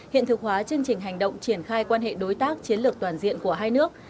hiện thực hóa chương trình hành động triển khai quan hệ đối tác chiến lược toàn diện của hai nước